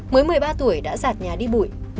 mới một mươi ba tuổi đã giạt nhà đi bụi